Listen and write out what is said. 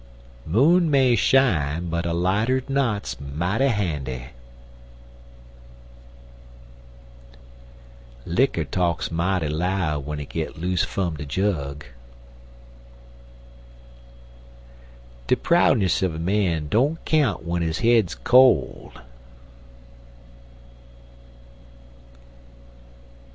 Moon may shine, but a lightered knot's mighty handy. Licker talks mighty loud w'en it git loose fum de jug. De proudness un a man don't count w'en his head's cold.